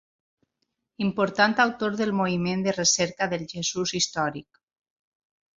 Important autor del moviment de recerca del Jesús històric.